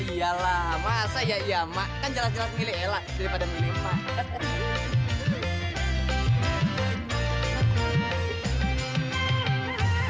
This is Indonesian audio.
iyalah masa ya iya mak kan jelas jelas milih ella daripada milih pak